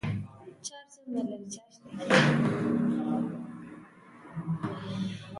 خير دى که آباد نه شوم، مه مې کړې په خوله د بل